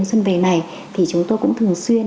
xuân về này thì chúng tôi cũng thường xuyên